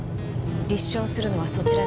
立証するのはそちらです。